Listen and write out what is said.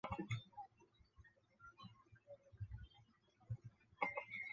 指形角壳灰介为半花介科角壳灰介属下的一个种。